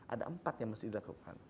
ada empat yang mesti dilakukan